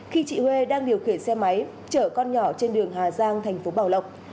khi chị huê đang điều khiển xe máy chở con nhỏ trên đường hà giang tp bảo lộc